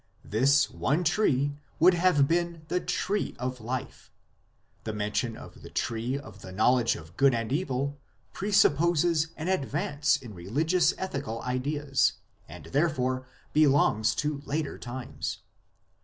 This one tree would have been the Tree of Life ; the mention of the Tree of the Knowledge of Good and Evil presupposes an advance in religious ethical ideas, and therefore belongs to later times.